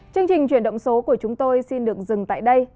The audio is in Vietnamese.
chương trình chuyển động số của chúng tôi xin được dừng tại đây